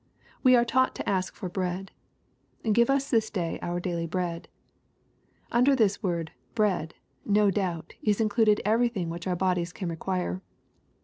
We are taught to ask for bread :" Give us this day our daily bread." Under this word " bread," no doubt, is included everything which our bodies can require.